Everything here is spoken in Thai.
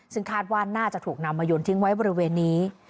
ซึ่งคาดว่าน่าจะถูกนำมายนทิ้งไว้บริเวณนี้